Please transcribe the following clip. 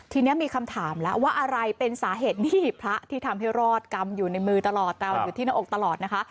ทีนี้มีคำถามแล้วว่าอะไรเป็นสาเหตุที่พระที่ทำให้รอดกำอยู่ในมือตลอดแต่อยู่ที่หน้าอกตลอดนะคะ